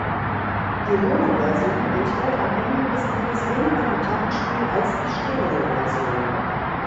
Die Monoversion enthält am Ende des Liedes weniger Gitarrenspiel als die Stereoversion.